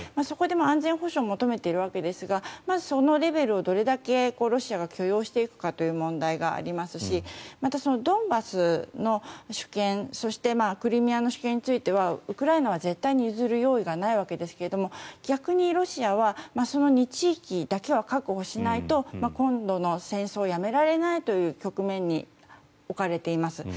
そこで安全保障を求めているわけですがそのレベルをどれだけロシアが許容していくかという問題がありますしまたそのドンバスの主権そしてクリミアの主権についてはウクライナは絶対に譲る用意がないわけですが逆にロシアはその２地域だけは確保しないと今度の戦争をやめられないという局面に置かれています。